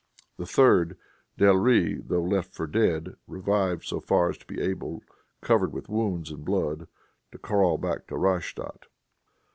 The third, Delry, though left for dead, revived so far as to be able, covered with wounds and blood, to crawl back to Rastadt.